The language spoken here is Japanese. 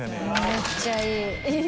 めっちゃいい。